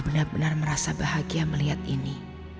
benar benar merasa bahagia melihat ini